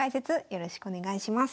よろしくお願いします。